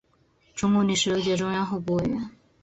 中共第十六届中央候补委员。